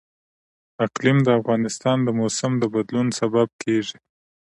اقلیم د افغانستان د موسم د بدلون سبب کېږي.